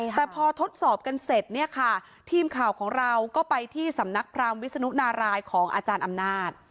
แต่พอทดสอบกันเสร็จเนี่ยค่ะทีมข่าวของเราก็ไปที่สำนักพรามวิศนุนารายของอาจารย์อำนาจ